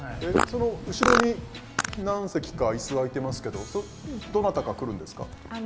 その後ろに何席か椅子空いてますけどどなたか来るんですか？